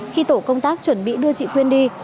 khi tổ công tác chuẩn bị đưa chị khuyên đi